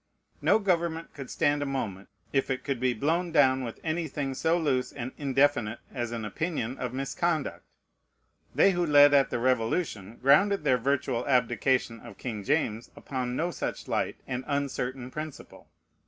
No government could stand a moment, if it could be blown down with anything so loose and indefinite as an opinion of "misconduct." They who led at the Revolution grounded their virtual abdication of King James upon no such light and uncertain principle.